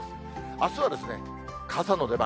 あすはですね、傘の出番。